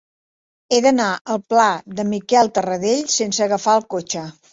He d'anar al pla de Miquel Tarradell sense agafar el cotxe.